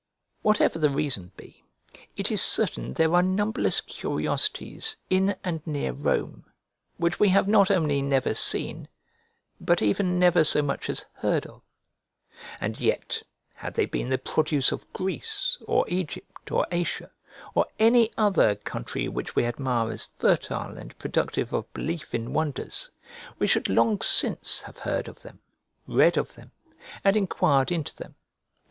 Whatever the reason be, it is certain there are numberless curiosities in and near Rome which we have not only never seen, but even never so much as heard of: and yet had they been the produce of Greece, or Egypt, or Asia, or any other country which we admire as fertile and productive of belief in wonders, we should long since have heard of them, read of them, and enquired into them.